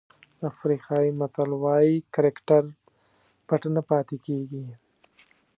افریقایي متل وایي کرکټر پټ نه پاتې کېږي.